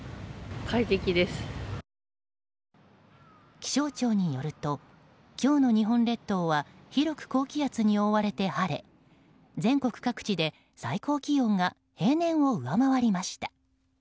気象庁によると今日の日本列島は広く高気圧に覆われて晴れ全国各地で最高気温が平年を上回りました。